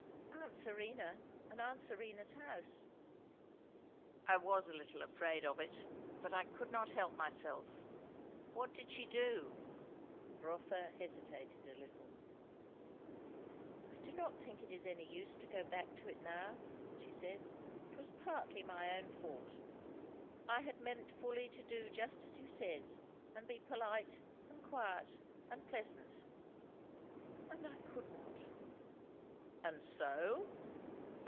"Aunt Serena and aunt Serena's house." "I was a little afraid of it. But I could not help myself. What did she do?" Rotha hesitated a little. "I do not think it is any use to go back to it now," she said. "It was partly my own fault. I had meant fully to do just as you said, and be polite and quiet and pleasant; and I could not!" "And so